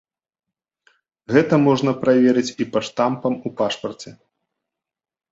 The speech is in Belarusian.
Гэта можна праверыць і па штампам у пашпарце.